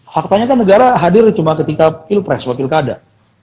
faktanya kan negara hadir cuma ketika pilpres atau pilkada